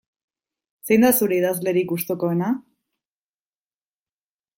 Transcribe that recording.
Zein da zeure idazlerik gustukoena?